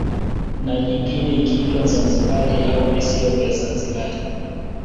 Na nyingine ikiitwa Zanzibari au visiwa vya Zanzibari